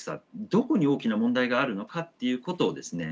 どこに大きな問題があるのかっていうことをですね